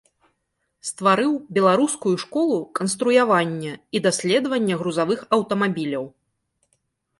Стварыў беларускую школу канструявання і даследавання грузавых аўтамабіляў.